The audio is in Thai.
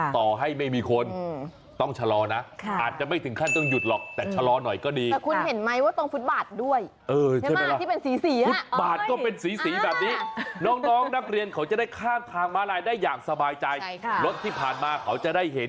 ทางมาลัยได้อย่างสบายใจใช่ค่ะรถที่ผ่านมาเขาจะได้เห็น